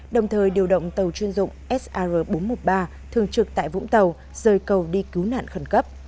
đồng thời điều động tàu chuyên dụng sr bốn trăm một mươi ba thường trực tại vũng tàu rời cầu đi cứu nạn khẩn cấp